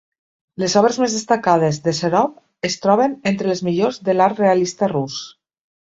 Les obres més destacades de Serov es troben entre les millors de l'art realista rus.